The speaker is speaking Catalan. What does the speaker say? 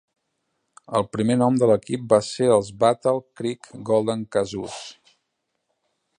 El primer nom de l'equip va ser els Battle Creek Golden Kazoos.